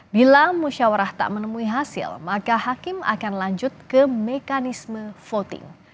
bila musyawarah tak menemui hasil maka hakim akan lanjut ke mekanisme voting